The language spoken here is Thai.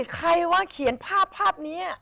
ใครวะเขียนภาพภาพนี้